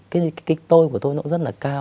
cái kích tôi của tôi nó rất là cao